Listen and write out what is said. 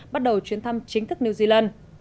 bắt đầu chuyến thăm chính thức new zealand